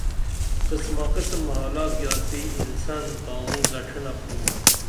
قسما قسم حالات گیاڅی انسن تانوں دڇھینپ تو